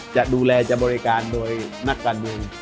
จะดูแลจะบริการโดยนักการเมือง